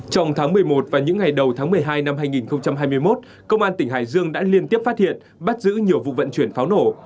trong tháng một mươi một và những ngày đầu tháng một mươi hai năm hai nghìn hai mươi một công an tỉnh hải dương đã liên tiếp phát hiện bắt giữ nhiều vụ vận chuyển pháo nổ